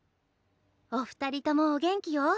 お二人ともお元気よ。